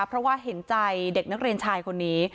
เพราะว่าเห็นใจเด็กนักเรียนชายคนนี้